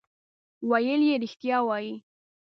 ویل یې رښتیا وایې.